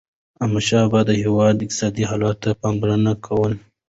احمدشاه بابا د هیواد اقتصادي حالت ته پاملرنه کوله.